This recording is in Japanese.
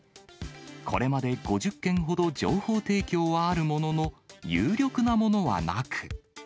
これまで５０件ほど情報提供はあるものの、有力なものはなく。